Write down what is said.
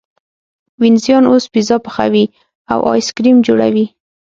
وینزیان اوس پیزا پخوي او ایس کریم جوړوي.